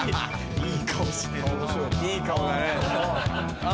いい顔だね。